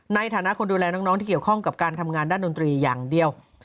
ในฐานะคนดูแลน้องที่เกี่ยวข้องกับการทำงานด้านดนตรีอย่างเดียว